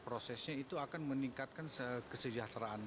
prosesnya akan meningkatkan kesejahteraan